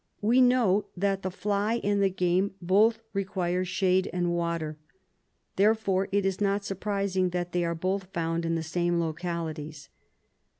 We know that the fly and the game both require shade and water, therefore it is not surprising that they are both found in the same localities.